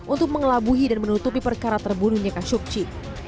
untuk mengelabuhi dan menutupi perkara terbunuhnya khashogci